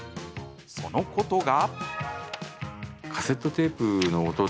そのことが。